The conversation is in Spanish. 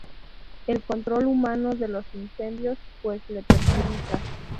El control humano de los incendios, pues, le perjudica.